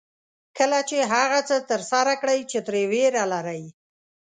کله چې هغه څه ترسره کړئ چې ترې وېره لرئ.